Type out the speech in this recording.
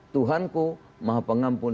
tuhanku maha pengampun